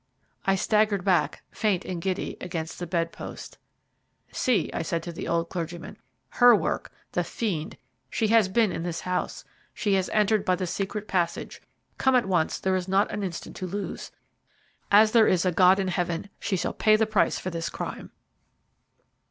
I staggered back, faint and giddy, against the bed post. "See," I said to the old clergyman, "her work, the fiend; she has been in this house. She has entered by the secret passage. Come at once; there is not an instant to lose. As there is a God in Heaven, she shall pay the price for this crime."